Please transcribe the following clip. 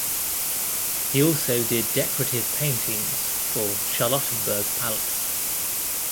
He also did decorative paintings for Charlottenburg Palace.